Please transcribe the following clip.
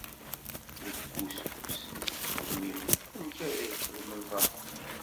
Deg wusu-s, ittxemmim amek ara yexdem lbaṭel.